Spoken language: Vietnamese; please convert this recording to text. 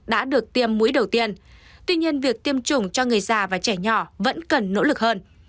đã được tiêm mũi đầu tiên tuy nhiên việc tiêm chủng cho người già và trẻ nhỏ vẫn cần nỗ lực hơn